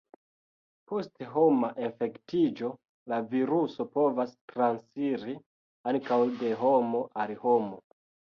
Post homa infektiĝo, la viruso povas transiri ankaŭ de homo al homo.